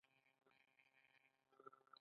اقتصادي کمزورتیا د مشتري توان کموي.